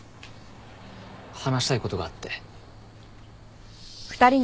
話したいことがあって。